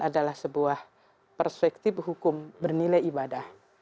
adalah sebuah perspektif hukum bernilai ibadah